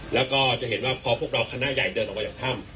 แล้วก็จะเห็นว่าพอพวกเราคณะใหญ่เดินออกมาจากถ้ำ